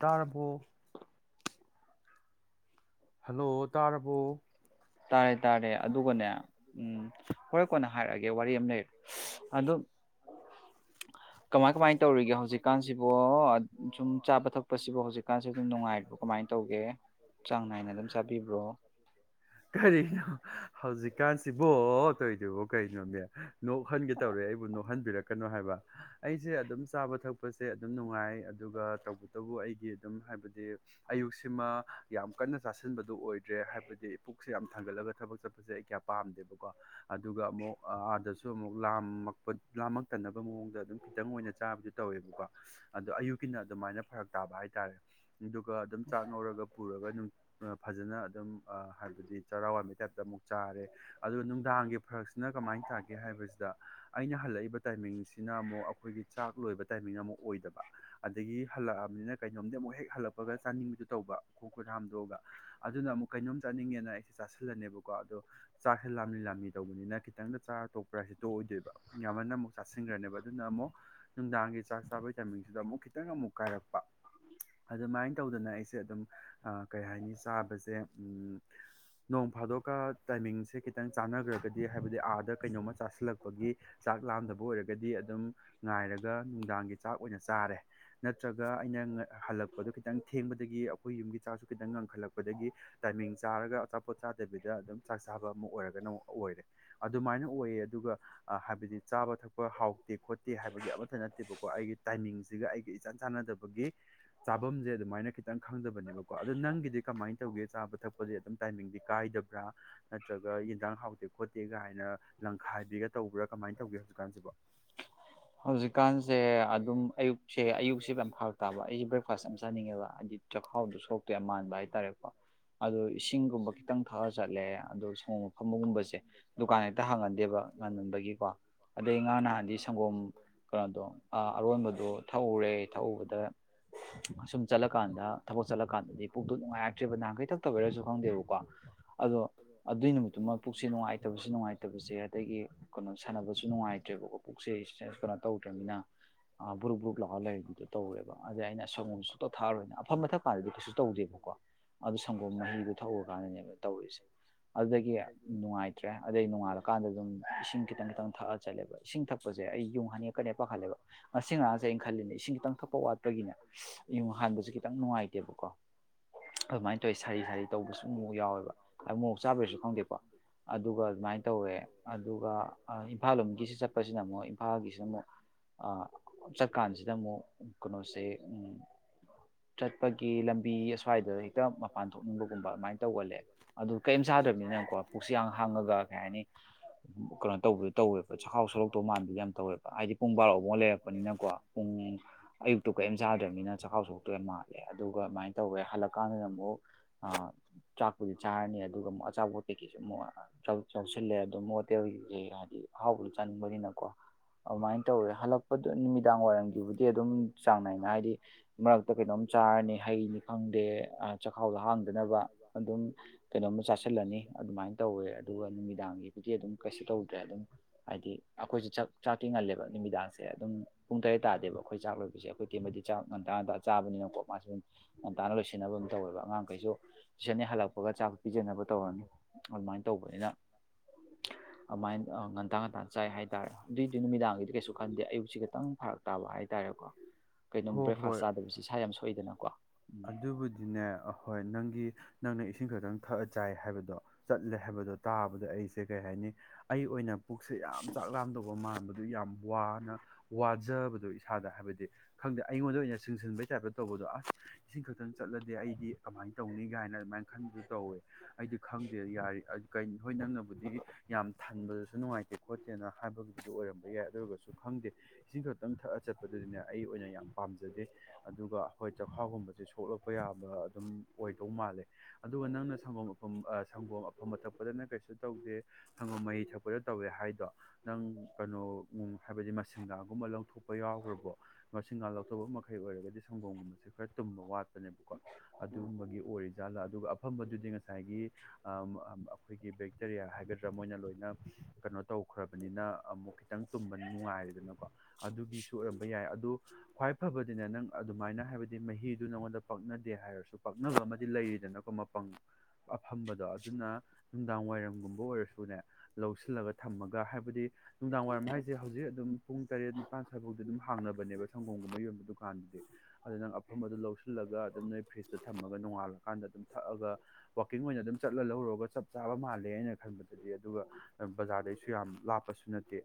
ꯇꯔꯕꯣ ꯍꯜꯂꯣ ꯇꯥꯔꯕꯣ ꯇꯥꯥꯏꯦ ꯍꯥꯏꯇꯥꯔꯦ ꯑꯗꯨꯒꯅꯦ ꯎꯝ ꯍꯣꯔꯣꯏ ꯀꯣꯟꯅ ꯍꯥꯏꯔꯛꯑꯒꯦ ꯋꯥꯔꯤ ꯑꯃ ꯂꯩꯔꯦ ꯑꯗꯨ ꯑꯗꯣ ꯀꯃꯥꯏ ꯀꯃꯥꯏꯅ ꯇꯧꯔꯤꯒꯦ ꯍꯧꯖꯤꯛꯀꯥꯟꯁꯤꯕꯨ ꯁꯨꯝ ꯆꯥꯕ ꯊꯛꯄꯁꯤꯕꯨ ꯍꯧꯖꯤꯛꯀꯥꯟꯁꯤ ꯑꯗꯨꯝ ꯅꯨꯡꯉꯥꯏꯔꯤꯕꯣ ꯀꯃꯥꯏ ꯧꯦ ꯆꯥꯡ ꯅꯥꯏꯅ ꯆꯥꯕꯤꯕꯣ ꯍꯥꯏꯔꯤ ꯍꯧꯖꯤꯛꯀꯥꯟꯁꯤꯕꯣ ꯇꯧꯗꯣꯏꯕꯣ ꯀꯩꯅꯣꯅꯦ ꯅꯣꯛꯍꯟꯒꯦ ꯇꯧꯔꯦ ꯑꯩꯕꯨ ꯅꯣꯛꯍꯟꯕꯤꯔꯛ ꯀꯩꯅꯣ ꯍꯥꯏꯕ ꯑꯩꯁꯦ ꯑꯗꯨꯝ ꯆꯥꯕ ꯊꯛꯄꯁꯦ ꯑꯗꯨꯝ ꯅꯨꯡꯉꯥꯏ ꯑꯗꯨꯒ ꯇꯧꯕꯇꯕꯨ ꯑꯩꯒꯤ ꯑꯗꯨꯝ ꯍꯥꯏꯕꯗꯤ ꯑꯌꯨꯛꯁꯤꯃ ꯌꯥꯝ ꯀꯟꯅ ꯆꯥꯁꯤꯟꯕꯗꯨ ꯑꯣꯏꯗ꯭ꯔꯦ ꯍꯥꯏꯕꯗꯤ ꯄꯨꯛꯁꯤ ꯌꯥꯝ ꯊꯥꯡꯒꯠꯂꯒ ꯊꯕꯛ ꯆꯠꯄꯁꯦ ꯑꯩ ꯀꯌꯥ ꯄꯥꯝꯗꯦꯕꯀꯣ ꯑꯗꯨꯒ ꯑꯃꯨꯛ ꯑꯥꯗꯁꯨ ꯑꯃꯨꯛ ꯂꯥꯝꯃꯛꯄ ꯂꯥꯝꯃꯛꯇ ꯐꯅꯕ ꯃꯑꯣꯡꯗ ꯑꯗꯨꯝ ꯈꯤꯇꯪ ꯑꯣꯏꯅ ꯆꯥꯕꯁꯨ ꯇꯧꯋꯦꯕꯀꯣ ꯑꯗꯣ ꯑꯌꯨꯛꯀꯤꯅ ꯑꯗꯨꯃꯥꯏꯅ ꯐꯔꯛ ꯇꯥꯕ ꯍꯥꯏꯇꯥꯔꯦ ꯑꯗꯨꯒ ꯑꯗꯨꯝ ꯆꯥꯛ ꯅꯧꯔꯒ ꯄꯨꯔꯒ ꯑꯗꯨꯝ ꯐꯖꯅ ꯑꯗꯨꯝ ꯍꯥꯏꯕꯗꯤ ꯆꯔꯥꯎ ꯨꯛ ꯆꯥꯔꯦ ꯑ ꯅꯨꯡꯗꯥꯡꯒꯤ ꯐꯔꯛꯁꯤꯅ ꯀꯃꯥꯏꯅ ꯇꯥꯒꯦ ꯍꯥꯏꯕꯁꯤꯗ ꯑꯩꯅ ꯍꯜꯂꯛꯏꯕ ꯇꯥꯏ ꯇꯥꯏꯃꯤꯡꯁꯤꯅ ꯑꯃꯨꯛ ꯑꯩꯈꯣꯏꯒꯤ ꯆꯥꯛ ꯂꯣꯏꯕ ꯇꯥꯏꯃꯤꯡꯅ ꯑꯃꯨꯛ ꯑꯣꯏꯗꯕ ꯑꯗꯒꯤ ꯍꯜꯂꯛꯑꯕꯅꯤꯅ ꯀꯩꯅꯣꯝꯗꯤ ꯑꯃꯨꯛ ꯍꯦꯛ ꯍꯜꯂꯛꯄꯒ ꯆꯥꯅꯤꯡꯕꯗꯨ ꯇꯧꯕ ꯈꯨ ꯈꯨꯠ ꯍꯥꯝꯗꯣꯛꯑꯒ ꯑꯗꯨꯅ ꯑꯃꯨꯛ ꯀꯩꯅꯣꯝ ꯆꯠꯅꯤꯡꯦꯅ ꯑꯩꯁꯦ ꯆ ꯁꯤꯜꯂꯅꯦꯕꯀꯣ ꯑꯗꯣ ꯆꯥꯛꯁꯦ ꯂꯥꯝꯃꯤ ꯂꯥꯝꯃꯤ ꯇꯧꯕꯅꯤꯅ ꯈꯤꯇꯪꯗ ꯆꯥ ꯇꯣꯛꯄ꯭ꯔꯥꯁꯦ ꯇꯣꯛꯑꯣꯏꯗꯣꯏꯕ ꯌꯥꯝꯃꯅ ꯑꯃꯨꯛ ꯆꯥꯁꯤꯟꯈ꯭ꯔꯅꯦꯕ ꯑꯗꯨꯅ ꯑꯃꯨꯛ ꯅꯨꯡꯗꯥꯡꯒꯤ ꯆꯥꯛ ꯆꯥꯕꯒꯤ ꯇꯥꯏꯃꯤꯡꯁꯤꯗ ꯑꯃꯨꯛ ꯈꯤꯇꯪ ꯑꯃꯨꯛ ꯀꯥꯏꯔꯛꯄ ꯑꯗꯨꯃꯥꯏꯅ ꯇꯧꯗꯅ ꯑꯩꯁꯦ ꯑꯗꯨꯝ ꯀꯩ ꯍꯥꯏꯅꯤ ꯆꯥꯕꯁꯦ ꯅꯣꯡ ꯐꯥꯗꯣꯛꯑꯀ ꯇꯥꯏꯃꯤꯡꯁꯦ ꯈꯤꯇꯪ ꯆꯥꯟꯅꯈ꯭ꯔꯒꯗꯤ ꯍꯥꯏꯕꯗꯤ ꯑꯥꯗ ꯀꯩꯅꯣꯝꯃ ꯆꯥꯁꯤꯜꯂꯛꯄꯒꯤ ꯆꯥꯛ ꯂꯥꯝꯗꯕ ꯑꯣꯏꯔꯒꯗꯤ ꯑꯗꯨꯝ ꯉꯥꯏꯔꯒ ꯅꯨꯡꯗꯥꯡꯒꯤ ꯆꯥꯛ ꯑꯣꯏꯅ ꯆꯥꯔꯦ ꯅꯠꯇ꯭ꯔꯒ ꯑꯩꯅ ꯍꯜꯂꯛꯄꯗꯣ ꯈꯤꯇꯪ ꯊꯦꯡꯕꯗꯒꯤ ꯑꯩꯈꯣꯏ ꯌꯨꯝꯒꯤ ꯆꯥꯛꯁꯨ ꯈꯤꯇꯪ ꯉꯪꯈꯠꯂꯛꯄꯗꯒꯤ ꯇꯥꯏꯃꯤꯡ ꯆꯥꯔꯒ ꯑ ꯄꯣꯠ ꯆꯥꯗꯕꯤꯗ ꯑꯗꯨꯝ ꯆꯥꯛ ꯆꯥꯕ ꯑꯃ ꯑꯣꯏꯔꯒꯅ ꯑꯃꯨꯛ ꯑꯣꯏꯔꯦ ꯑꯗꯨꯃꯥꯏꯅ ꯑꯣꯏꯌꯦ ꯑꯗꯨꯒ ꯍꯥꯏꯕꯗꯤ ꯆꯥꯕ ꯊꯛꯄ ꯍꯥꯎꯇꯦ ꯈꯣꯠꯇꯦ ꯍꯥꯏꯕꯒꯤ ꯑꯃꯠꯇ ꯅꯠꯇꯦꯕꯀꯣ ꯑꯩꯒꯤ ꯇꯥꯏꯃꯤꯡꯁꯤꯒ ꯑꯩꯒ ꯏꯆꯥꯟ ꯆꯥꯟꯅꯗꯕꯒꯤ ꯆꯥꯐꯝꯁꯦ ꯑꯗꯨꯃꯥꯏꯅ ꯈꯤꯇꯪ ꯈꯪꯗꯕꯅꯦꯕꯀꯣ ꯑꯗꯣ ꯅꯪꯒꯤꯗꯤ ꯀꯃꯥꯏꯅ ꯇꯧꯒꯦ ꯆꯥꯕ ꯊꯛꯄꯁ ꯑꯗꯨꯝ ꯇꯥꯏꯡ ꯀꯥꯏꯗꯕ꯭ꯔꯥ ꯅꯠꯇ꯭ꯔꯒ ꯌꯦꯟꯁꯥꯡ ꯍꯥꯎꯇꯦ ꯈꯣꯠꯇꯦ ꯀꯥꯏꯅ ꯂꯪꯈꯥꯏꯕꯤꯒ ꯇꯧꯕ꯭ꯔꯥ ꯀꯃꯥꯏꯅ ꯇꯧꯒꯦ ꯍꯧꯖꯤꯛꯀꯥꯟꯁꯤꯕꯨ ꯍꯧꯖꯤꯛꯀꯥꯟꯁꯦ ꯑꯗꯨꯝ ꯑꯌꯨꯛꯁꯦ ꯑꯌꯨꯛꯁꯦ ꯌꯥꯝ ꯐꯔꯛꯛꯇꯥꯕ ꯑꯩꯁꯦ ꯕ꯭ꯔꯦꯛꯐꯥꯁ ꯌꯥꯝ ꯆꯥꯅꯤꯡꯉꯦꯕ ꯆꯈꯥꯎꯗꯨꯣ ꯁꯣꯛꯇꯦ ꯃꯥꯟꯕ ꯍꯥꯏꯇꯥꯔꯦꯀꯣ ꯑꯗꯣ ꯏꯁꯤꯡ ꯆꯤꯡꯒꯨꯝꯕ ꯈꯤꯇꯪ ꯊꯛꯑ ꯆꯠꯂꯦ ꯑꯗꯣ ꯁꯣꯡꯕ ꯐꯝꯕꯒꯨꯝꯕꯁꯦ ꯗꯨꯀꯥꯟ ꯍꯦꯛꯇ ꯍꯥꯡꯍꯟꯗꯦꯕ ꯉꯟꯕꯒꯤ ꯀꯣ ꯑꯗꯩ ꯉꯥ ꯅꯍꯥꯟꯗꯤ ꯁꯪꯒꯣꯝ ꯀꯩꯅꯣꯗꯣ ꯑꯔꯣꯟꯕꯗꯣ ꯊꯛꯎꯔꯦ ꯊꯛꯎꯕꯗ ꯑꯁꯨꯝ ꯆꯠꯂꯀꯥꯟꯗ ꯊꯕꯛ ꯆꯠꯂꯀꯥꯟꯗꯗꯤ ꯄꯨꯨꯡꯗꯣ ꯅꯨꯡꯉꯥꯏꯔꯛꯇ꯭ꯔꯤꯕ ꯅꯍꯥꯟꯈꯩꯇꯛꯇ ꯑꯣꯏꯔꯁꯨ ꯈꯪꯗꯦꯕꯀꯣ ꯑꯗꯣ ꯑꯗꯨꯏ ꯅꯨꯃꯤꯠꯇꯨꯃ ꯄꯨꯛꯁ ꯅꯨꯡꯉꯥꯏꯇꯕꯁꯨ ꯅꯨꯡꯉꯥꯏꯇꯕꯁꯦ ꯑꯗꯒꯤ ꯀ ꯁꯥꯟꯅꯕꯁꯨ ꯅꯨꯡꯉꯥꯏꯇ꯭ꯔꯦꯕꯀꯣ ꯄꯨꯛꯆꯩ ꯀꯩꯅꯣ ꯇꯧꯗ꯭ꯔꯅꯤꯅ ꯕꯨ꯭ꯔꯨꯞ ꯕꯨ꯭ꯔꯨꯞ ꯂꯥꯛꯑꯒ ꯂꯩꯗꯨꯣ ꯇꯧꯔꯦꯕ ꯑꯗ ꯑꯩꯅ ꯁꯪꯒꯣꯝ ꯁꯨꯛꯇ ꯊꯥꯔꯣꯏꯅ ꯑꯐꯝ ꯃꯊꯛ ꯀꯥꯟꯗꯗꯤ ꯀꯩꯁꯨ ꯇꯧꯗꯦꯕꯀꯣ ꯑꯗꯨ ꯁꯪꯒꯣꯝ ꯃꯍꯤꯗꯨꯣ ꯊꯧꯔ ꯀꯥꯟꯗꯅꯦꯅ ꯇꯧꯔꯔꯤꯁꯦ ꯑꯗꯨꯗꯒꯤ ꯅꯨꯡꯉꯥꯏꯇ꯭ꯔꯦ ꯑꯗꯩ ꯅꯣꯡꯉꯥꯜꯂꯀꯥꯟꯗ ꯑꯗꯨꯝ ꯏꯁꯤꯡ ꯈꯤꯇꯪ ꯈꯤꯇꯪ ꯊꯛꯑ ꯆꯠꯂꯦꯕ ꯏꯁꯤꯡ ꯊꯛꯄꯁꯦ ꯑꯩ ꯄꯥꯈꯠꯂꯦꯕ ꯉꯁꯤ ꯉꯔꯥꯡꯁꯦ ꯑꯩꯅ ꯈꯜꯂꯤꯅꯦ ꯏꯁꯤꯡ ꯈꯤꯇꯪ ꯊꯛꯄ ꯋꯥꯠꯄꯒꯤꯅ ꯏꯌꯨ ꯍꯥꯟꯕꯁꯨ ꯇꯪ ꯅꯨꯡꯉꯥꯏ ꯦꯣ ꯑꯗꯨꯃꯥꯏꯅ ꯇꯧꯋ ꯁꯥ ꯁꯥ ꯇꯧꯕꯁꯨ ꯑꯃꯥꯎ ꯌꯥꯎꯋꯦꯕ ꯃꯣꯛ ꯆꯥꯕꯁꯨ ꯈꯪꯗꯦꯀꯣ ꯑꯗꯨꯒ ꯑꯗꯨꯃꯥꯏꯅ ꯇꯧꯋꯦ ꯑꯗꯨꯒ ꯏꯝꯐꯥꯜ ꯂꯣꯝꯒꯤꯁꯤ ꯆꯠꯄꯁꯤꯅ ꯑꯃꯨꯛ ꯏꯝꯐꯥꯜꯒꯤ ꯑꯃꯨꯛ ꯆꯠꯀꯥꯟꯁꯤꯗ ꯑꯃꯨꯛ ꯀꯩꯅꯣꯁꯦ ꯆꯠꯄꯒꯤ ꯂꯝꯕꯤ ꯑꯁ꯭ꯋꯥꯏꯗ ꯍꯦꯛꯇ ꯃꯄꯥꯟ ꯊꯣꯛꯅꯤꯡꯕ [unintelligible] ꯀꯩꯅꯣ ꯇꯧꯕꯗꯨꯣ ꯇꯧꯋꯦꯕ ꯆꯥꯛꯈꯥꯎ ꯁꯂꯧ ꯇꯧꯕ ꯃꯥꯟꯕꯗꯗꯤ ꯌꯥꯝ ꯇꯧꯋꯦꯕ ꯍꯥꯏꯗꯤ ꯄꯨꯡ ꯕꯥꯔꯣꯐꯥꯎ ꯂꯩꯔꯛꯄꯅꯤꯅꯀꯣ ꯄꯨꯡ ꯑꯌꯨꯛꯇꯨ ꯀꯔꯤꯝ ꯆꯥꯗ꯭ꯔꯕꯅꯤꯅ ꯆꯈꯥꯎ ꯆꯣꯛꯇꯣꯏ ꯌꯥꯝ ꯃꯥꯜꯂꯦ ꯑꯗꯨꯒ ꯑꯗꯨꯃꯥꯏꯅ ꯇꯧꯋꯦ ꯍꯜꯂꯀꯥꯟꯗꯨꯗ ꯑꯃꯨꯛ ꯆꯥꯛꯄꯨꯗꯤ ꯆꯥꯔꯅꯤ ꯑꯗꯨꯒ ꯑꯃꯨꯛ ꯑꯆꯥꯄꯣꯠ ꯀꯩ ꯀꯁꯨ ꯑꯃꯨꯛ ꯆꯥꯎꯁꯤꯜꯂꯦ ꯑꯗꯨꯝ ꯍꯣꯇꯦꯜꯒꯤ ꯀ ꯍꯥꯏꯗꯤ ꯍꯥꯎꯕꯣ ꯆꯥꯅꯤꯡꯕꯅꯤꯅꯀꯣ ꯑꯗꯨꯃꯥꯏꯅ ꯇꯧꯔꯦ ꯍꯜꯂꯛꯄꯗ ꯅꯨꯃꯤꯗꯥꯡ ꯋꯥꯏꯔꯝꯒꯤꯕꯨꯗꯤ ꯑꯗꯨꯝ ꯆꯥꯡ ꯅꯥꯏꯅ ꯍꯥꯏꯗꯤ ꯃꯔꯛꯇ ꯀꯩꯅꯣꯝ ꯆꯥ ꯅꯤ ꯍꯩꯅꯤ ꯈꯪꯗꯦ ꯆꯈꯥꯎꯗ ꯍꯥꯡꯗꯅꯕ ꯑꯗꯨꯝ ꯀꯩꯅꯣꯝꯃ ꯆꯥꯁꯤꯜꯂꯅꯤ ꯑꯗꯨꯃꯥꯏꯅ ꯇꯧꯋꯦ ꯑꯗꯨꯒ ꯅꯨꯃꯤꯗꯥꯡꯒꯤꯗꯤ ꯑꯗꯨꯝ ꯀꯩꯁꯨ ꯇꯧꯗ꯭ꯔꯦ ꯑꯗꯨꯝ ꯍꯥꯏꯗꯤ ꯑꯩꯈꯣꯏꯁꯨ ꯆꯥꯛꯇꯤ ꯉꯜꯂꯦꯕ ꯅꯨꯃꯤꯗꯥꯡꯁꯦ ꯑꯗꯨꯝ ꯄꯨꯡ ꯇꯔꯦꯠ ꯇꯥꯗꯦꯕ ꯑꯩꯈꯣꯏ ꯆꯥꯛ ꯂꯣꯏꯕꯁꯦ ꯑꯩꯈꯣꯏ ꯇꯦꯝꯕꯗꯤ ꯆꯥꯛ ꯉꯟ ꯆꯥꯕ ꯉꯟ ꯂꯣꯏꯁꯤꯟꯅꯕ ꯇꯧꯋꯦ ꯑꯉꯥꯡꯈꯩꯁꯨ ꯇꯨꯏꯁꯟ ꯍ ꯍꯜꯂꯛꯄꯒ ꯆꯥꯛ ꯄꯤꯖꯅꯕ ꯇꯧꯔꯅꯤ ꯑꯗꯨꯃꯥꯏꯅ ꯇꯧꯕꯅꯤꯅ ꯑꯗꯨꯃꯥꯏꯅ ꯉꯟꯇꯥ ꯉꯟꯇꯥ ꯆꯥꯏ ꯍꯥꯏꯇꯥꯔꯦ ꯑꯗꯨꯏꯗꯤ ꯅꯨꯃꯤꯗꯥꯡꯒꯤꯗꯤ ꯀꯩꯁꯨ ꯈꯟꯗꯦ ꯑꯌꯨꯛꯁꯤ ꯈꯤꯇꯪ ꯐꯔꯛ ꯇꯥꯕ ꯍꯥꯏꯇꯥꯔꯦꯀꯣ ꯀꯩꯅꯣꯝ ꯕ꯭ꯔꯦꯛꯐꯥꯁ ꯆꯥꯗꯕꯁꯤ ꯏꯁꯥ ꯌꯥꯝ ꯁꯣꯛꯏꯗꯅꯀꯣ ꯎꯝ ꯑꯍꯣꯏ ꯅꯪꯒꯤ ꯅꯪꯅ ꯏꯁꯤꯡ ꯈꯛꯇꯪ ꯊꯛꯑ ꯆꯥꯏ ꯍꯥꯏꯕꯗꯣ ꯆꯠꯂꯦ ꯍꯥꯏꯕꯗꯣ ꯇꯥꯕꯗ ꯑꯩꯁꯦ ꯀꯩ ꯀꯩ ꯍꯥꯏꯅꯤ ꯑꯩ ꯄꯨ ꯌꯥꯝ ꯆꯥꯛꯗꯧꯕ ꯃꯥꯟꯕ ꯑꯗꯨ ꯌꯥꯝ ꯋꯥꯅ ꯋꯥꯖꯕꯗꯣ ꯏꯁꯥꯗ ꯍꯥꯏꯕꯗꯤ ꯈꯪꯗꯦ ꯑꯩꯉꯣꯟꯗ ꯑꯣꯏꯅ ꯆꯤꯡꯁꯤꯟꯕꯒꯤ ꯇꯥꯏꯞꯇ ꯇꯧꯕ ꯑꯗꯣ ꯑꯁ ꯏꯁꯤꯡ ꯈꯛꯇꯪ ꯆꯠꯂꯗꯤꯦ ꯑꯩꯗꯤ ꯀꯃꯥꯏꯅ ꯇꯧꯅꯤ ꯀꯥꯏꯅ ꯑꯗꯨꯃꯥꯏꯅ ꯈꯟꯕꯗꯨ ꯇꯧꯋꯦ ꯑꯩꯗꯤ ꯈꯪꯗꯦ ꯌꯥꯔꯤ ꯅꯣꯏ ꯅꯪꯅꯕꯨꯗꯤ ꯌꯥꯝ ꯊꯟꯕꯗꯁꯨ ꯅꯨꯡꯉꯥꯏꯇꯦ ꯈꯣꯠꯇꯦꯅ ꯍꯥꯏꯕꯒꯤꯗ ꯑꯣꯏꯔꯝꯕ ꯌꯥꯏ ꯑꯗꯨ ꯑꯣꯏꯔꯒꯁꯨ ꯈꯪꯗꯦ ꯏꯁꯤꯡꯁꯨ ꯈꯤꯇꯪ ꯊ ꯆꯠꯄꯗꯨꯗꯤꯅꯦ ꯑꯩ ꯑꯣꯏꯅ ꯌꯥꯝ ꯄꯥꯝꯖꯗꯦ ꯑꯗꯨꯒ ꯑꯩꯈꯣꯏ ꯆꯈꯥꯎꯒꯨꯝꯕꯁꯦ ꯁꯣꯛꯂꯛꯄ ꯌꯥꯕ ꯑꯗꯨꯝ ꯑꯣꯏꯗꯧ ꯃꯥꯜꯂꯦ ꯑꯗꯨꯒ ꯅꯪꯅ ꯁꯪꯒꯣꯝ ꯑꯐꯝ ꯁꯪꯒꯣꯝ ꯑꯐꯝꯕ ꯊꯛꯄꯗꯅ ꯀꯩꯁꯨ ꯇꯧꯗꯦ ꯁꯪꯒꯣ ꯃꯍꯩ ꯊꯛꯄꯗ ꯇꯧꯋꯦ ꯍꯥꯏꯗꯣ ꯅꯪ ꯀꯩꯅꯣ ꯍꯥꯏꯕꯗꯤ ꯃꯁꯤꯡꯒꯥꯒꯨꯝꯕ ꯂꯧꯊꯣꯛꯄ ꯌꯥꯎꯈ꯭ꯔꯕꯣ ꯃꯁꯤꯡꯒ ꯂꯧꯊꯣꯛꯄ ꯃꯈꯩ ꯑꯣꯏꯔꯗꯤ ꯁ ꯈꯪꯒꯣꯝꯒꯨꯝꯕꯁꯦ ꯈꯔ ꯇꯨꯝꯕ ꯋꯥꯠꯄꯅꯦꯕꯀꯣ ꯑꯗꯨꯝꯕꯒꯤ ꯑꯣꯏꯔꯤ ꯖꯥꯠꯂꯥ ꯑꯗꯨꯒ ꯑꯐꯝꯕꯗꯨꯗꯤ ꯉꯁꯥꯏꯒꯤ ꯑꯩꯈꯣꯏꯒꯤ ꯕꯦꯛꯇꯔꯤꯌꯥ ꯍꯥꯏꯒ ꯃꯣꯏꯅ ꯂꯣꯏꯅ ꯀꯩꯅꯣ ꯇꯧꯈ꯭ꯔꯕꯅꯤꯅ ꯑꯃꯨꯛ ꯈꯤꯇꯪ ꯇꯨꯝꯕ ꯅꯨꯡꯉꯥꯏꯔꯦꯗꯅꯀꯣ ꯑꯗꯨꯒꯤꯁꯨ ꯑꯣꯏꯔꯝꯕ ꯌꯥꯏ ꯑꯗꯨ ꯈ꯭ꯋꯥꯏ ꯐꯕꯗꯤꯅꯦ ꯅꯪ ꯑꯗꯨꯃꯥꯏꯅ ꯍꯥꯏꯕꯗꯤ ꯃꯍꯤꯗꯨ ꯅꯪꯉꯣꯟꯗ ꯄꯛꯅꯗꯦ ꯍꯥꯏꯔꯁꯨ ꯄꯛꯅꯕ ꯑꯃꯗꯤ ꯂꯩꯔꯤꯗꯅꯀꯣ ꯃꯄꯪ ꯑꯐꯝꯕꯗꯣ ꯑꯗꯨꯅ ꯅꯨꯡꯗꯥꯡ ꯋꯥꯏꯔꯝꯒꯨꯝꯕ ꯑꯣꯏꯔꯁꯨꯅꯦ ꯂꯧꯁꯤꯜꯂꯒ ꯊꯝꯃꯒ ꯍꯥꯏꯕꯗꯤ ꯅꯨꯡꯗꯥꯡ ꯋꯥꯏꯔꯝ ꯍꯥꯏꯁꯦ ꯍꯧꯖꯤꯛ ꯑꯗꯨꯝ ꯄꯨꯡ ꯇꯔꯦꯠ ꯅꯤꯄꯥꯟ ꯁ꯭ꯋꯥꯏꯐꯥꯎꯗꯤ ꯑꯗꯨꯝ ꯍꯥꯡꯅꯕ ꯪ ꯑ ꯑꯣꯐꯤꯁꯇ ꯊꯝꯃꯒ ꯅꯣꯡꯉꯥꯜꯂꯀꯥꯟꯗ ꯑꯗꯨꯝ ꯊꯛꯑꯒ ꯋꯥꯛꯀꯤꯡ ꯑꯣꯏꯅ ꯑꯗꯨꯝ ꯆꯠꯂ ꯂꯧꯔꯨꯔꯒ ꯆꯞ ꯆꯥꯕ ꯃꯥꯜꯂꯦ ꯍꯥꯏꯅ ꯈꯟꯕ ꯗꯗꯤ ꯑꯗꯨꯒ ꯕꯖꯥꯔꯗꯩꯁꯨ ꯌꯥꯝ ꯂꯥꯞꯄꯁꯨ ꯅꯠꯇꯦ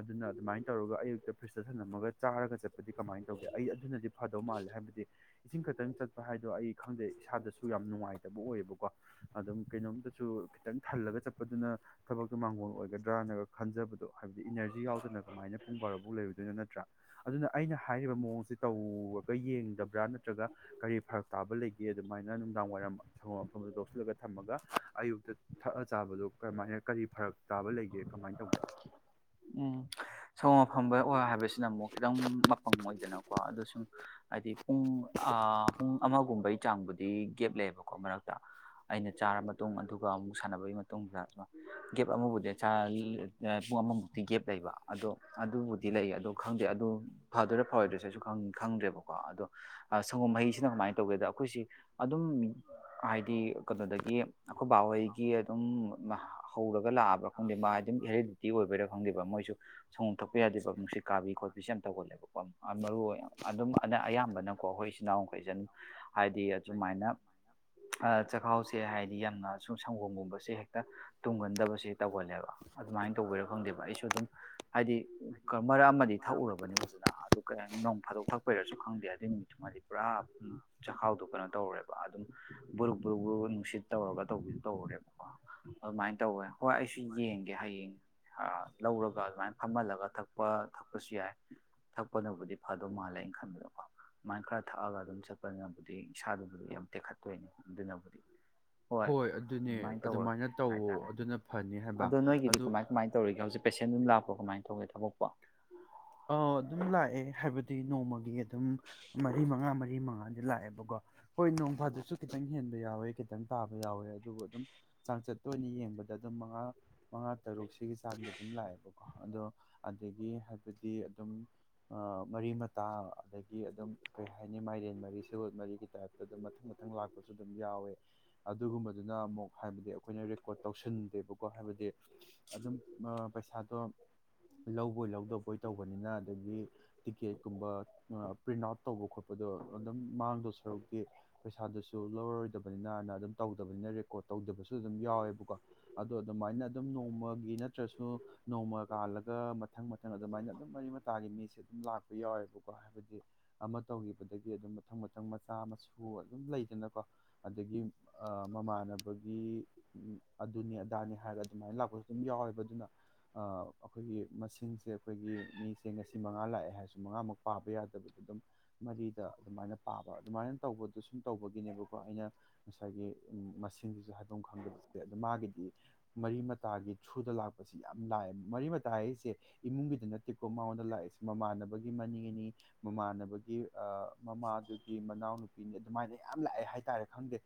ꯑꯗꯨꯅ ꯑꯗꯨꯃꯥꯏꯅ ꯇꯧꯔꯒ ꯑꯌꯨꯛꯇ ꯐ꯭ꯔꯤꯖꯇ ꯊꯝꯂꯝꯝꯃꯒ ꯆꯥꯔꯒ ꯆꯠꯄꯗꯤ ꯀꯃꯥꯏꯅ ꯇꯧꯒꯦ ꯑꯩ ꯑꯗꯨꯅꯗꯤ ꯐꯥꯗꯧ ꯃꯥꯜꯂꯦ ꯍꯥꯏ ꯍꯥꯏꯕꯗꯤ ꯏꯁꯤꯡ ꯈꯛꯇꯪ ꯆꯠ ꯍꯥꯏꯗꯣ ꯑꯩ ꯈꯪꯗꯦ ꯏꯁꯥꯗꯁꯨ ꯌꯥꯝ ꯅꯨꯡꯉꯥꯏꯇꯕ ꯑꯣꯏꯌꯦꯕꯀꯣ ꯑꯗꯨꯝ ꯀꯩꯅꯣꯝꯇꯁꯨ ꯈꯤꯇꯪ ꯊꯜꯂꯒ ꯆꯠꯄꯗꯨꯅ ꯊꯕꯛꯇꯨ ꯃꯥꯡꯒꯣꯜ ꯑꯣꯏꯒꯗ꯭ꯔꯥꯅꯒ ꯈꯟꯖꯕꯗꯣ ꯍꯥꯏꯕꯗꯤ ꯏꯅꯔꯖꯤ ꯌꯥꯎꯗꯅ ꯀꯃꯥꯏꯅ ꯄꯨꯡ ꯥꯔꯐꯥꯎ ꯂꯩꯔꯗꯣꯏꯅ ꯅꯠꯇ꯭ꯔꯥ ꯑꯗꯨꯅ ꯑꯩꯅ ꯍꯥꯏꯔꯤꯕ ꯃꯑꯣꯡꯁꯤ ꯇꯧꯔꯒ ꯌꯦꯡꯗꯕ꯭ꯔꯥ ꯅꯠꯇ꯭ꯔꯒ ꯀꯔꯤ ꯐꯔꯛ ꯇꯥꯕ ꯂꯩꯒꯦ ꯑꯗꯨꯃꯥꯏꯅ ꯅꯨꯡꯗꯥꯡ ꯋꯥꯏꯔꯝ ꯁꯪꯒꯣꯝ ꯃꯐꯝꯗ ꯂꯧꯁꯤꯜꯂꯒ ꯊꯝꯃꯒ ꯑꯌꯨꯛꯇ ꯆꯥꯕꯗꯣ ꯀꯃꯥꯏꯅ ꯀꯔꯤ ꯐꯔꯛ ꯆꯥꯕ ꯂꯩꯒꯦ ꯀꯃꯥꯏꯅ ꯇꯧꯒꯦ ꯎꯝ ꯁꯒꯣꯝ ꯃꯐꯝꯕ ꯑꯣꯏꯔ ꯍꯥꯏꯕꯁꯤꯅ ꯑꯃꯨꯛ ꯈꯤꯇꯪ ꯃꯄꯪ ꯑꯣꯏꯗꯅꯀꯣ ꯑꯗꯨ ꯁꯨꯝ ꯍꯥꯏꯗꯤ ꯄꯨꯡ ꯄꯨꯡ ꯑꯃꯒꯨꯝꯕꯩ ꯆꯥꯡꯕꯨꯗꯤ ꯒꯦꯞ ꯂꯩꯌꯦꯕꯀꯣ ꯃꯔꯛꯇ ꯑꯩꯅ ꯆꯥꯔ ꯃꯇꯨꯡ ꯑꯗꯨꯒ ꯑꯃꯨꯛ ꯁꯥꯟꯅꯕꯒꯤ ꯃꯇꯨꯡꯗ ꯒꯦꯞ ꯑꯃꯕꯨꯗꯤ ꯄꯨꯡ ꯑꯃꯃꯨꯛ ꯇ ꯒꯦꯞ ꯂꯩꯕ ꯑꯗꯣ ꯑꯗꯨꯕꯨꯗꯤ ꯂꯩ ꯑꯗꯣ ꯈꯪꯗꯦ ꯑꯣ ꯐꯗꯣꯏꯔꯥ ꯐꯔꯣꯏꯗ꯭ꯔꯁꯨ ꯑꯩꯁꯨ ꯈꯪꯗ꯭ꯔꯦꯕꯀꯣ ꯑꯗꯣ ꯁꯪꯒꯣꯝ ꯃꯍꯩꯁꯤꯅ ꯀꯃꯥꯏꯅ ꯇꯧꯒꯦꯗ ꯑꯩꯈꯣꯏꯁꯤ ꯑꯗꯨꯝ ꯍꯥꯏꯗꯤ ꯀꯩꯅꯣꯗꯒꯤ ꯑꯩꯈꯣꯏ ꯕꯥꯍꯣꯏꯒꯤ ꯑꯗꯨꯝ ꯍꯧꯔꯒ ꯂꯥꯛꯑꯕ꯭ꯔꯥ ꯑꯩꯈꯣꯏꯗꯤ ꯃꯥ ꯑꯗꯨꯝ ꯍꯦꯔꯤꯗꯤꯇꯤ ꯑꯣꯏꯕꯔ ꯐꯪꯗꯕ ꯃꯣꯏꯁꯨ ꯁꯪꯒꯣꯝ ꯊꯛꯄ ꯌꯥꯗꯦꯕ ꯅꯨꯡꯁꯤꯠ ꯀꯥꯕꯤ ꯈꯣꯠꯄꯤꯁꯨ ꯌꯥꯝ ꯇꯧꯒꯜꯂꯦꯕꯀꯣ ꯃꯔꯨ ꯑꯗꯨꯝ ꯑꯌꯥꯝꯕꯅꯀꯣ ꯑꯩꯈꯣꯏ ꯏꯆꯤꯟꯜ ꯏꯅꯥꯎꯈꯩꯁꯦ ꯑꯗꯨ ꯍꯥꯏꯗꯤ ꯑꯗꯨꯃꯥꯏꯅ ꯆꯈꯥꯎꯁꯦ ꯍꯥꯏꯕꯗꯤ ꯌꯥꯝꯅ ꯁꯨꯝ ꯁꯪꯒꯣꯝꯒꯨꯝꯕꯁꯦ ꯍꯦꯛꯇ ꯇꯨꯝꯒꯟꯗꯕꯁꯦ ꯇꯧꯒꯜꯂꯦꯕ ꯑꯗꯨꯃꯥꯏꯅ ꯇꯧꯕꯤꯔꯛꯣꯣ ꯑꯩꯁꯨ ꯑꯗꯨꯝ ꯍꯥꯏꯗꯤ ꯃꯔꯛ ꯑꯃꯗꯤ ꯊꯛꯎꯔꯕꯅꯤ ꯐꯖꯅ ꯑꯗꯨ ꯀ ꯅꯣꯡ ꯐꯥꯗꯣꯛ ꯊꯛꯄꯩꯔꯁꯨ ꯈꯪꯗꯦ ꯍꯥꯏ ꯑꯗꯨꯏ ꯅꯨꯃꯤꯠꯇꯨꯃꯗꯤ ꯄꯨꯔꯥ ꯆꯥꯛꯈꯥꯎꯗꯨꯣ ꯀꯩꯅꯣ ꯇꯧꯔꯨꯔꯦꯕ ꯑꯗꯨꯝ ꯕꯨꯔ ꯕꯨ ꯅꯨꯡꯁꯤꯠ ꯇꯧꯔꯒ ꯧꯕ ꯇꯧꯔꯦꯕꯀꯣ ꯑꯗꯨꯃꯥꯏꯅ ꯇꯧꯋꯦ ꯍꯣꯏ ꯑꯩꯁꯨ ꯌꯦꯡꯒꯦ ꯍꯌꯦꯡ ꯂꯧꯔꯒ ꯑꯗꯨꯃꯥꯏꯅ ꯐꯝꯍꯜꯂꯒ ꯊꯛꯄ ꯊꯛꯄꯁꯨ ꯌꯥꯏ ꯊꯛꯄꯅꯕꯨꯗꯤ ꯐꯗꯧ ꯃꯥꯜꯂꯦꯅ ꯈꯟꯕꯗꯀꯣ ꯑꯗꯨꯃꯥꯏꯅ ꯈꯔ ꯊꯛꯑꯒ ꯑꯗꯨꯝ ꯆꯠꯄꯅꯤꯅꯕꯨꯗꯤ ꯏꯁꯥꯗꯨꯕꯨꯗꯤ ꯌꯥꯝ ꯇꯦꯛꯈꯠꯇꯣꯏꯅꯤ ꯑꯗꯨꯅꯕꯨꯗꯤ ꯍꯣꯏ ꯑꯗꯨꯃꯥꯏꯅ ꯇꯧꯔꯒꯦ ꯍꯥꯏꯇꯥꯔꯦ ꯑꯗꯣ ꯅꯣꯏꯒꯤꯗꯤ ꯀꯃꯥꯏ ꯀꯃꯥꯏꯅ ꯇꯧꯔꯤꯒꯦ ꯍꯧꯖꯤꯛ ꯄꯦꯁꯦꯟ ꯑꯗꯨꯝ ꯂꯥꯛꯄ ꯀꯃꯥꯏꯅ ꯇꯧꯒꯦ ꯊꯕꯛꯄꯣ ꯅꯣꯡꯃꯒꯤ ꯑꯗꯨꯝ ꯃꯔꯤ ꯃꯉꯥ ꯃꯔꯤ ꯃꯔꯤ ꯃꯉꯥꯗꯤ ꯂꯥꯛꯑꯦꯕꯀꯣ ꯍꯣꯏ ꯅꯣꯡ ꯐꯥꯗꯁꯨ ꯈꯤꯇꯪ ꯍꯦꯟꯕ ꯌꯥꯎꯋꯦ ꯈꯤꯇꯪ ꯇꯥꯕ ꯌꯥꯎꯋꯦ ꯑꯗꯨꯕꯨ ꯑꯗꯨꯝ ꯆꯥꯡꯆꯠꯇ ꯑꯣꯏꯅ ꯌꯦꯡꯕꯗ ꯑꯗꯨꯝ ꯃꯉꯥ ꯃꯉꯥ ꯇꯔꯨꯛ ꯁꯤꯒꯤ ꯆꯥꯡꯗ ꯑꯗꯨꯝ ꯂꯥꯛꯑꯦꯕꯀꯣ ꯑꯗꯣ ꯑꯗꯒꯤ ꯍꯥꯏꯕꯗꯤ ꯑꯗꯨꯝ ꯃꯔꯤ ꯃꯇꯥ ꯑꯗꯒꯤ ꯑꯗꯨꯝ ꯀꯩ ꯍꯥꯏꯅꯤ ꯃꯥꯏꯔꯦꯟ ꯃꯔꯤ ꯁꯣ ꯃꯔꯤꯒꯤ ꯇꯥꯏꯞꯇ ꯑꯗꯨꯝ ꯃꯊꯪ ꯃꯊꯪ ꯂꯥꯛꯄꯁꯨ ꯑꯗꯨꯝ ꯌꯥꯎꯋꯦ ꯑꯗꯨꯒꯨꯝꯕꯗꯨꯅ ꯑꯃꯨꯛ ꯍꯥꯏꯕꯗꯤ ꯑꯩꯈꯣꯏꯅ ꯔꯦꯀꯣꯔꯠ ꯇꯧꯁꯤꯟꯗꯦꯕꯀꯣ ꯍꯥꯏꯕꯗꯤ ꯑꯗꯨꯝ ꯄꯩꯁꯥꯗꯣ ꯂꯧꯧꯕꯧꯕꯣꯏ ꯂꯧꯧꯕꯗꯣꯣꯏ ꯑꯗꯒꯤ ꯇꯤꯀꯦꯠꯀꯨꯝꯕ ꯄ꯭ꯔꯤꯟꯠ ꯑꯥꯎꯠ ꯇꯧꯕ ꯈꯣꯠꯄꯗꯣ ꯑꯗꯨꯝ ꯃꯥꯡꯗꯣ ꯁꯔꯨꯛꯇꯦ ꯄꯩꯁꯥꯗꯨꯁꯨ ꯂꯧꯔꯔꯣꯏꯗꯕꯅꯤꯅꯅ ꯑꯗꯨꯝ ꯇꯧꯗꯕꯅꯤꯅ ꯔꯦꯀꯣꯔꯠ ꯇꯧꯗꯕꯁꯨ ꯑꯗꯨꯝ ꯌꯥꯎꯋꯦꯕꯀꯣ ꯑꯗꯣ ꯑꯗꯨꯃꯥꯏꯅ ꯑꯗꯨꯝ ꯅꯣꯡꯃꯒꯤ ꯅꯠꯇ꯭ꯔꯁꯨ ꯅꯣꯡꯃ ꯀꯥꯜꯂꯒ ꯃꯊꯪ ꯃꯊꯪ ꯑꯗꯨꯃꯥꯏꯅ ꯑꯗꯨꯝ ꯃꯔꯤ ꯃꯇꯥꯒꯤ ꯃꯤꯁꯦ ꯑꯗꯨꯝ ꯂꯥꯛꯄ ꯌꯥꯎꯋꯦꯕꯀꯣ ꯍꯥꯏꯕꯗꯤ ꯑꯃ ꯇꯧꯈꯤꯕꯗꯒꯤ ꯑꯗꯨꯝ ꯃꯊꯪ ꯃꯊꯪ ꯃꯆꯥ ꯃꯁꯨ ꯑꯗꯨꯝ ꯂꯩꯗꯅꯀꯣ ꯑꯗꯒꯤ ꯃꯃꯥꯟꯅꯕꯒꯤ ꯑꯗꯨꯅꯤ ꯑꯗꯥꯅꯦ ꯍꯥꯏꯔꯒ ꯑꯗꯨꯃꯥꯏꯅ ꯂꯥꯛꯄꯁꯨ ꯑꯗꯨꯝ ꯌꯥꯎꯋꯦꯕ ꯑꯗꯨꯅ ꯑꯩꯈꯣꯏꯒꯤ ꯃꯁꯤꯡꯁꯦ ꯑꯩꯈꯣꯏꯒꯤ ꯃꯤꯁꯦ ꯉꯁꯤ ꯃꯉꯥ ꯂꯥꯛꯑꯦ ꯍꯥꯏꯔꯁꯨ ꯃꯉꯥꯃꯨꯛ ꯄꯥꯕ ꯌꯥꯗꯕꯗꯨ ꯑꯗꯨꯝ ꯃꯔꯤꯗ ꯑꯗꯨꯃꯥꯏꯅ ꯄꯥꯕ ꯑꯗꯨꯃꯥꯏꯅ ꯇꯧꯕꯗꯣ ꯁꯨꯝ ꯇꯧꯕꯒꯤꯅꯦꯕꯀꯣ ꯑꯩꯅ ꯉꯁꯥꯏꯒꯤ ꯃꯁꯤꯡꯗꯨꯁꯨ ꯍꯥꯏꯐꯝ ꯈꯪꯗꯕꯁꯤꯦ ꯑ ꯃꯥꯒꯤꯗꯤ ꯃꯔꯤ ꯇꯥꯒꯤ ꯊ꯭ꯔꯨꯗ ꯂꯥꯛꯄꯁꯤ ꯌꯥꯝ ꯂꯥꯛꯑꯦ ꯃꯔꯤ ꯃꯇꯥ ꯍꯥꯏꯁꯦ ꯏꯃꯨꯡꯒꯤꯗ ꯅ ꯇꯤꯀꯣ ꯃꯉꯣꯟꯗ ꯂꯥꯛꯏꯁꯦ ꯃꯃꯥꯟꯅꯕꯒꯤ ꯃꯅꯤꯡ ꯑꯅꯤ ꯃꯃꯥꯟꯅꯕꯒꯤ ꯑ ꯃꯃꯥꯗꯨꯒꯤ ꯃ ꯏꯅꯥꯎ ꯅꯨꯄꯤꯅꯤ ꯑꯗꯨꯃꯥꯏꯅ ꯌꯥꯝ ꯂꯥꯛꯑꯦ ꯍꯥꯏꯇꯥꯔꯦ ꯈꯪꯗꯦ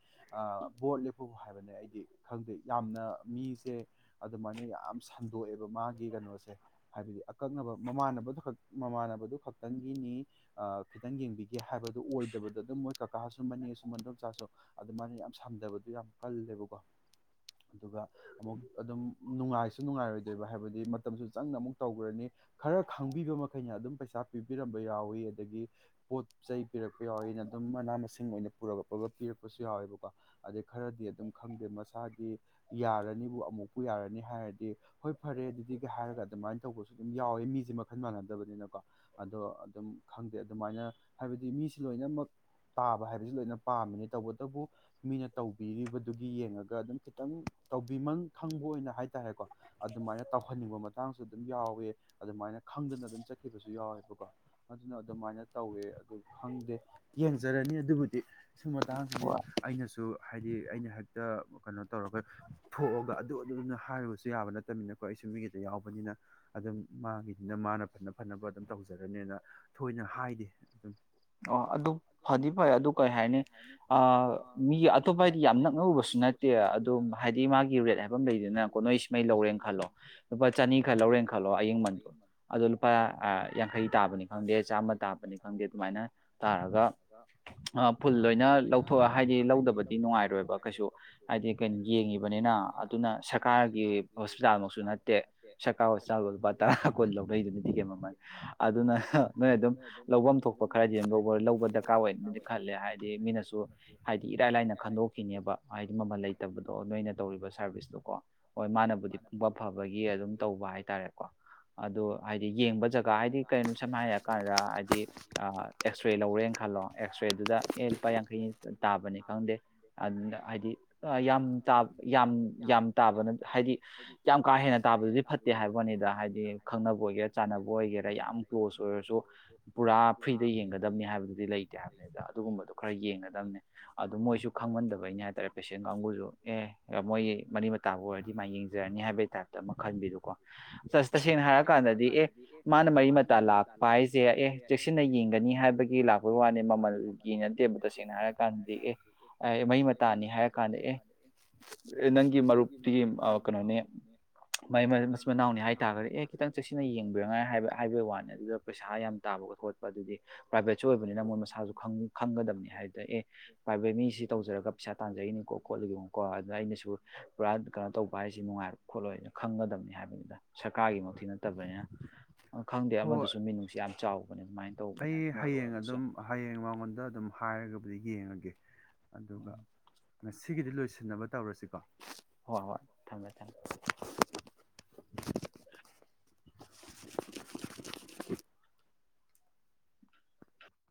ꯕꯣꯔꯠ ꯂꯦꯞꯄꯕꯨ ꯍꯥꯏꯕꯅꯦ ꯑꯩꯗꯤ ꯈꯪꯗꯦ ꯌꯥꯝꯅ ꯃꯤꯁꯦ ꯑꯗꯨꯃꯥꯏꯅ ꯌꯥꯝ ꯁꯟꯗꯣꯛꯑꯦꯕ ꯃꯥꯒꯤ ꯀꯩꯅꯣꯁꯦ ꯍꯥꯏꯕꯗꯤ ꯀꯛꯅꯕ ꯃꯃꯥꯟꯅꯕꯗꯨ ꯃꯃꯥꯟꯅꯕꯗꯨ ꯈꯛꯇꯪꯒꯤꯅꯤ ꯈꯤꯇꯪ ꯌꯦꯡꯕꯤꯒ ꯍꯥꯏꯕꯗꯨ ꯑꯣꯏꯗꯕꯗ ꯑꯗꯨꯝ ꯃꯣꯏ ꯀꯥꯁꯨ ꯃꯅꯤꯡꯁꯨ ꯃꯗꯣꯝꯆꯥꯁꯨ ꯑꯗꯨꯃꯥꯏꯅ ꯌꯥꯝ ꯁꯝꯗꯕꯗꯨ ꯌꯥꯝ ꯀꯜꯂꯦꯕꯀꯣ ꯑꯗꯨꯒ ꯑꯃꯨꯛ ꯑꯗꯨꯝ ꯅꯨꯡꯉꯥꯏꯁꯨ ꯅꯨꯡꯉꯥꯏꯔꯣꯏꯗꯣꯏꯕ ꯍꯥꯏꯕꯗꯤ ꯃꯇꯝꯁꯨ ꯆꯪꯅ ꯑꯃꯨꯛ ꯇꯧꯈ꯭ꯔꯅꯤ ꯈꯔ ꯈꯪꯕꯤꯕ ꯃꯈꯩꯅ ꯑꯗꯨꯝ ꯄꯩꯁꯥ ꯄꯤꯕꯤꯔꯝꯕ ꯌꯥꯎꯋꯤ ꯑꯗꯒꯤ ꯄꯣꯠ ꯆꯩ ꯄꯤꯔꯛꯄ ꯌꯥꯎꯏꯤ ꯑꯩꯅ ꯑꯗꯨꯝ ꯃꯅꯥ ꯃꯁꯤꯡ ꯑꯣꯏꯅ ꯄꯨꯔ ꯄꯤꯔꯛꯄꯁꯨ ꯌꯥꯎꯋꯦꯕꯀꯣ ꯑꯗꯩ ꯈꯔꯗꯤ ꯑꯗꯨꯝ ꯈꯪꯗꯦ ꯃꯁꯥꯒꯤ ꯌꯥꯔꯅꯤꯕꯨ ꯑꯃꯨꯛ ꯌꯥꯔꯅꯤ ꯍꯥꯏꯔ ꯑꯗꯨ ꯍꯣꯏ ꯐꯔꯦ ꯑꯗꯨꯗꯤꯒ ꯍꯥꯏꯔꯒ ꯑꯗꯨꯃꯥꯏꯅ ꯇꯧꯕ ꯑꯗꯨꯝ ꯌꯥꯎꯋꯦ ꯃꯤꯁꯦ ꯃꯈꯜ ꯃꯥꯟꯅꯗꯕꯅꯤꯅꯀꯣ ꯑꯗꯣ ꯑꯗꯨꯝ ꯈꯪꯗꯦ ꯑꯗꯨꯃꯥꯏꯅ ꯍꯥꯏꯕꯗꯤ ꯃꯤꯁꯤ ꯂꯣꯏ ꯂꯣꯏꯅꯃꯛ ꯇꯥꯕ ꯍꯥꯏꯕꯁꯤ ꯂꯣꯏꯅ ꯄꯥꯝꯃꯤꯅꯦ ꯇꯧꯕꯇꯕꯨ ꯃꯤꯅ ꯇꯧꯕꯤꯔꯤꯕꯗꯨꯒꯤ ꯌꯦꯡꯉꯒ ꯑꯗꯨꯝ ꯈꯤꯇꯪ ꯇꯧꯕꯤꯃꯪ ꯈꯪꯕ ꯑꯣꯏꯅ ꯍꯥꯏꯇꯥꯔꯦꯀꯣ ꯑꯗꯨꯃꯥꯏꯅ ꯇꯧꯍꯟꯅꯤꯡꯕ ꯃꯇꯥꯡꯁꯨ ꯑꯗꯨꯝ ꯌꯥꯎꯋ ꯎꯏꯑ ꯑꯗꯨꯃꯥꯏꯅ ꯈꯪꯗꯅ ꯑꯗꯨꯝ ꯆꯠꯈꯤꯕꯁꯨ ꯌꯥꯎꯋꯦꯕꯀꯣ ꯑꯗꯨꯅ ꯑꯗꯨꯃꯥꯏꯅ ꯇꯧꯋꯦ ꯑꯗꯨ ꯈꯪꯗꯦ ꯌꯦꯡꯖꯔꯅꯤ ꯑꯗꯨꯕꯨꯗꯤ ꯁꯨꯝꯕ ꯃꯇꯥꯡꯁꯤꯗꯤ ꯑꯩꯅꯁꯨ ꯍꯥꯏꯗꯤ ꯑꯩꯅ ꯍꯦꯛꯇ ꯀꯩꯅꯣ ꯇꯧꯔꯒ ꯊꯣꯛꯑꯒ ꯑꯗꯨ ꯑꯗꯨꯗꯨꯅ ꯍꯥꯏꯔꯨꯕꯁꯨ ꯌꯥꯕ ꯅꯠꯇꯕꯅꯤꯅꯀꯣ ꯁꯤꯃꯤꯒꯤꯗ ꯌꯥꯎꯕꯅꯤꯅ ꯑꯗꯨꯝ ꯃꯥꯒꯤꯗꯨꯅ ꯃꯥꯅ ꯐꯅ ꯐꯅꯕ ꯑꯗꯨꯝ ꯇꯧꯖꯔꯅꯤꯅ ꯊꯣꯏꯅ ꯍꯥꯏꯗꯦ ꯑꯗꯨꯝ ꯑꯣ ꯑꯗꯨ ꯐꯗꯤ ꯐꯩ ꯑꯗꯨ ꯀꯩ ꯍꯥꯏꯅꯤ ꯃꯤ ꯑꯇꯣꯞꯄ ꯍꯥꯏꯗꯤ ꯌꯥꯝ ꯅꯛꯅꯔꯨꯕꯁꯨ ꯅꯠꯇꯦ ꯑꯗꯨꯝ ꯍꯥꯏꯗꯤ ꯃꯥꯒꯤ ꯔꯦꯠ ꯍꯥꯏꯕ ꯑꯃ ꯂꯩꯗꯅꯀꯣ ꯅꯣꯏ ꯁꯃꯩ ꯂꯧꯔꯦꯅ ꯈꯜꯂꯣ ꯂꯨꯄꯥ ꯆꯅꯤ ꯈꯔ ꯂꯧꯔꯦꯅ ꯈꯜꯂꯣ ꯈꯜꯂꯣ ꯑꯌꯤꯡꯕꯟꯗꯣ ꯑꯗꯣ ꯂꯨꯄꯥ ꯌꯥꯡꯈꯩ ꯇꯥꯕꯅꯤ ꯈꯪꯗꯦ ꯆꯥꯝꯃ ꯇꯥꯕꯅꯤ ꯈꯪꯗꯦ ꯑꯗꯨꯃꯥꯏꯅ ꯇꯥꯔꯒ ꯐꯨꯜ ꯂꯣꯏꯅ ꯂꯧꯊꯣꯛꯑ ꯍꯥꯏꯗꯤ ꯂꯧꯗꯕꯗꯤ ꯅꯨꯡꯉꯥꯏꯔꯣꯏꯕ ꯀꯩꯁꯨ ꯍꯥꯏꯗꯤ ꯀꯣ ꯌꯦꯡꯉꯤꯕꯅꯤꯅ ꯑꯗꯨꯅ ꯁꯔꯀꯥꯔꯒꯤ ꯍꯣꯁꯄꯤꯇꯥꯜ ꯃꯁꯨ ꯅꯠꯇꯦ ꯀꯀꯥ ꯆꯥ ꯂꯨꯄꯥ ꯇꯔꯥ ꯀꯨꯟ ꯂꯧꯅꯩꯗꯨꯅꯤ ꯇꯤꯒꯦ ꯃꯃꯜ ꯑꯗꯨꯅ ꯅꯣꯏ ꯑꯗꯨꯝ ꯂꯧꯐꯝ ꯊꯣꯛꯄ ꯗꯤ ꯂꯧꯕ ꯗꯔꯀꯥꯔ ꯑꯣꯏꯅꯗꯤ ꯈꯜꯂꯦ ꯍꯥꯏꯗꯤ ꯃꯤꯅꯁꯨ ꯍꯥꯏꯗꯤ ꯏꯔꯥꯏ ꯂꯥꯏꯅ ꯈꯟꯗꯣꯛꯈꯤꯅꯦꯕ ꯍꯥꯏꯗꯤ ꯃꯃꯜ ꯂꯩꯇꯕꯗꯣ ꯅꯣꯏꯅ ꯇꯧꯔꯤꯕ ꯁꯥꯔꯚꯤꯁꯇꯣꯀꯣ ꯍꯣꯏ ꯃꯥꯅꯕꯨꯗꯤ ꯄꯨꯡꯕ ꯐꯕꯒꯤ ꯑꯗꯨꯝ ꯇꯧꯕ ꯀ ꯑꯗꯨ ꯍꯥꯏꯗꯤ ꯌꯦꯡꯕ ꯖꯒꯥ ꯍꯥꯏꯗꯤ ꯀꯩꯅꯣ ꯁꯝꯅ ꯍꯥꯏꯔꯀꯥꯟꯗ ꯍꯥꯏꯗꯤ ꯑꯦꯛꯁꯔꯦ ꯂꯧꯔꯦꯅ ꯈꯜꯂꯣ ꯑꯦꯛꯁꯔꯦꯗꯨꯗ ꯑꯦ ꯂꯨꯄꯥ ꯌꯥꯡꯈꯩ ꯇꯥꯕꯅꯤ ꯈꯪꯗꯦ ꯑꯗꯨꯗ ꯍꯥꯏꯗꯤ ꯌꯥꯝ ꯌꯥꯝ ꯌꯥꯝ ꯇꯥꯕꯅ ꯍꯥꯏꯗꯤ ꯌꯥꯝ ꯀꯥ ꯍꯦꯟꯅ ꯇꯥꯕꯗꯨꯗꯤ ꯐ ꯐꯠꯇꯦ ꯍꯥꯏꯕꯅꯤꯗ ꯍꯥꯏꯗꯤ ꯈꯪꯅꯕ ꯑꯣꯏꯒꯦꯔꯥ ꯆꯥꯟꯅꯕ ꯑꯣꯏꯒꯦꯔꯥ ꯌꯥꯝ ꯀ꯭ꯂꯣꯖ ꯑꯣꯏꯔꯁꯨ ꯄꯨꯔꯥ ꯐ꯭ꯔꯤꯗ ꯌꯦꯡꯒꯗꯕꯅꯤ ꯍꯥꯏꯕꯗꯨꯗꯤ ꯂꯩꯇꯦ ꯍꯥꯏꯕꯅꯤꯗ ꯑꯗꯨꯒꯨꯝꯕꯗꯣ ꯈꯔ ꯌꯦꯡꯒꯗꯝꯕꯅꯤ ꯑꯗꯨ ꯃꯣꯏꯁꯨ ꯈꯪꯃꯟꯗꯕꯩꯩꯅ ꯍꯥꯏ ꯇꯇꯥꯔꯦ ꯄꯦꯁꯦꯟ ꯀꯥꯡꯕꯨꯁꯨ ꯑꯦ ꯃꯣꯏꯒꯤ ꯃꯔꯤ ꯃꯇꯥꯕꯨ ꯑꯣꯏꯔꯗꯤ ꯃꯥ ꯌꯦꯡꯖꯔꯅꯤ ꯍꯥꯏꯕꯒꯤ ꯇꯥꯏꯞꯇ ꯑꯃ ꯈꯟꯕꯤꯗꯨꯨꯀꯣ ꯇꯁꯦꯡꯅ ꯍꯥꯏꯔ ꯀꯥꯟꯗꯗꯤ ꯑꯦ ꯃꯥꯅ ꯃꯔꯤ ꯃꯇꯥ ꯂꯥꯛꯄ ꯍꯥꯏꯁꯦ ꯑꯦꯛ ꯆꯦꯛꯁꯤꯟꯅ ꯌꯦꯡꯒꯅꯤ ꯍꯥꯏꯕꯒꯤ ꯂꯥꯛꯄꯒꯤ ꯋꯥꯅꯤ ꯃꯃꯜ ꯌꯦꯡꯅꯗꯦꯕ ꯇꯁꯦꯡꯅ ꯍꯥꯏꯔꯀꯥꯟꯗ ꯃꯩ ꯃꯇꯥꯅꯤ ꯍꯥꯏꯔ ꯀꯥꯟꯗ ꯑꯦ ꯅꯪꯒꯤ ꯃꯔꯨꯞꯇꯨꯒꯤ ꯀꯩꯅꯣꯅꯤ ꯃꯥꯏ ꯏꯆꯤꯟ ꯃꯅꯥꯎꯅꯤ ꯍꯥꯏꯇꯥꯥꯔꯒꯗꯤ ꯑꯦ ꯈꯤꯇꯪ ꯆꯦꯛꯁꯤꯟꯅ ꯌꯦꯡꯕꯤꯔꯉꯥꯏ ꯍꯥꯏꯕ ꯍꯥꯏꯕꯒꯤ ꯋꯥꯅꯤ ꯑꯗꯨꯗ ꯄꯩꯁꯥ ꯌꯥꯝ ꯇꯥꯕꯒ ꯈꯣꯠꯄꯦ ꯑꯗꯨꯗꯤ ꯄ꯭ꯔꯥꯏꯚꯦꯠꯁꯨ ꯑꯣꯏꯕꯅꯤꯅ ꯃꯣꯏ ꯃꯁꯥꯁꯨ ꯈꯪꯒꯗꯕꯅꯤ ꯍꯥꯏꯕꯗ ꯑꯦ ꯄ꯭ꯔꯥꯏꯚꯦꯠ ꯃꯤꯁꯤ ꯇꯧꯖꯔꯒ ꯁꯥ ꯇꯥꯟꯖꯈꯤꯅꯤꯀꯣ ꯈꯣꯠꯂꯒꯀꯣ ꯑꯗꯨꯅ ꯑꯩꯅꯁꯨ ꯄꯨꯔꯥ ꯀꯩꯅꯣ ꯇꯧꯕ ꯍꯥꯏꯁꯤ ꯅꯨꯡꯉꯥꯏꯔ ꯈꯣꯠꯂꯣꯏ ꯍꯥꯏꯅ ꯈꯪꯒꯗ ꯑꯗꯨ ꯁꯔꯀꯥꯔꯒꯤꯃꯛꯇꯤ ꯅꯠꯇꯕꯅꯤꯅ ꯈꯪꯗꯦ ꯑꯃꯗꯨꯁꯨ ꯃꯤꯅꯨꯡꯁꯤ ꯌꯥꯝ ꯆꯥꯎꯕꯅꯦ ꯑꯗꯨꯃꯥꯏꯅ ꯑꯩ ꯍꯌꯦꯡ ꯑꯗꯨꯝ ꯍꯌꯦꯡ ꯃꯉꯣꯟꯗ ꯑꯗꯨꯝ ꯍꯥꯏꯔꯒꯕꯨꯗꯤ ꯌꯦꯡꯉꯒꯦ ꯑꯗꯨꯒ ꯉꯁꯤꯒꯤꯗꯤ ꯂꯣꯏꯁꯤꯟꯅꯕ ꯇꯧꯔꯁꯤꯀꯣ ꯍꯣꯏ ꯍꯣꯏ ꯊꯝꯃꯦ ꯊꯝꯃꯦ